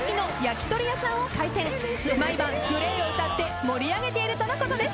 毎晩ＧＬＡＹを歌って盛り上げているとのことです。